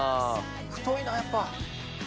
太いなやっぱ。